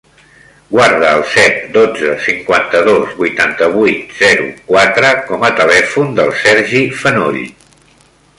Guarda el set, dotze, cinquanta-dos, vuitanta-vuit, zero, quatre com a telèfon del Sergi Fenoll.